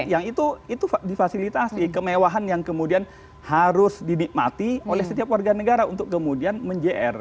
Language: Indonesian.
yang itu difasilitasi kemewahan yang kemudian harus dinikmati oleh setiap warga negara untuk kemudian men jr